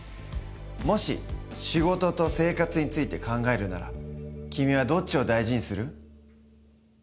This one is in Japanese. もし仕事と生活について考えるなら君はどっちを大事にする？